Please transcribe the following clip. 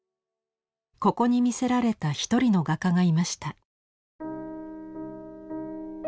ここに魅せられた一人の画家がいました。